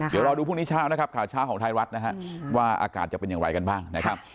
เดี๋ยวรอดูพรุ่งนี้เช้าของไทยรัฐว่าอากาศจะเป็นอย่างไรกันบ้าง